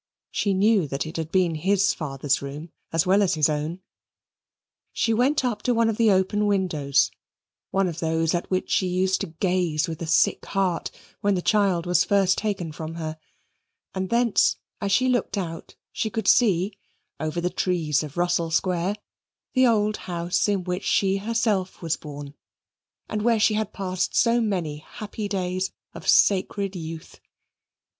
She knew that it had been his father's room as well as his own. She went up to one of the open windows (one of those at which she used to gaze with a sick heart when the child was first taken from her), and thence as she looked out she could see, over the trees of Russell Square, the old house in which she herself was born, and where she had passed so many happy days of sacred youth.